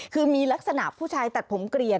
คือมีลักษณะผู้ชายตัดผมเกลียด